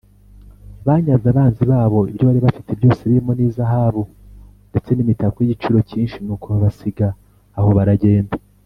banyaze abanzi babo ibyo bari bafite byose birimo nizahabu ndetse n’imitako y’igiciro cyinshi nuko babasiga aho baragenda.